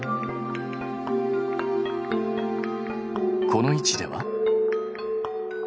この位置では。